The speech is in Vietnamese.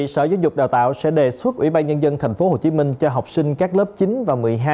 sở giáo dục đào tạo sẽ đề xuất ủy ban nhân dân tp hcm cho học sinh các lớp chín và một mươi hai